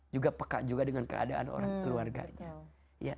juga peka juga dengan keadaan orang keluarganya